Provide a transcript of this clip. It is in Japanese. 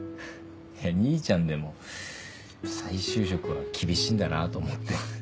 兄ちゃんでも再就職は厳しいんだなと思って。